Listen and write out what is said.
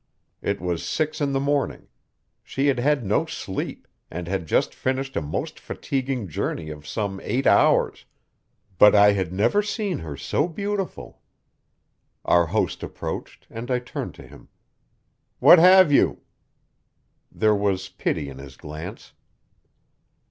It was six in the morning; she had had no sleep, and had just finished a most fatiguing journey of some eight hours; but I had never seen her so beautiful. Our host approached, and I turned to him: "What have you?" There was pity in his glance.